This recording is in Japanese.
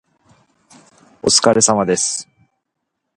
お疲れ様です